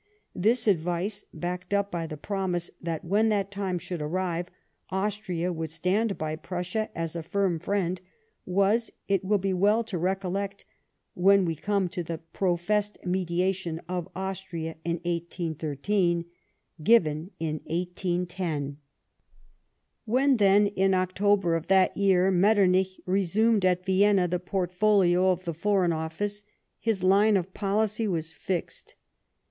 This advice, backed up by the promise that when that time should arrive, Austria would stand by Prussia as a firm friend, was, it will be well to recollect when we come to the professed mediation of Austria in 1813, given in 1810. When, then, in October of that year, Metternich resumed at Vienna the portfolio of the Foreign Office, his line of policy was fixed.